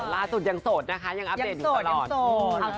ล่าสุดยังโสดนะคะยังอัปเดตอยู่ตลอด